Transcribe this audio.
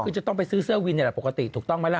คือจะต้องไปซื้อเสื้อวินนี่แหละปกติถูกต้องไหมล่ะ